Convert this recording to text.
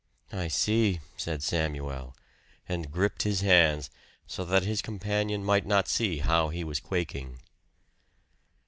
"I see," said Samuel; and gripped his hands so that his companion might not see how he was quaking.